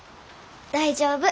大丈夫。